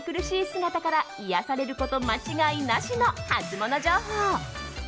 姿から癒やされること間違いなしのハツモノ情報。